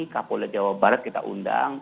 kapolda jawa barat kita undang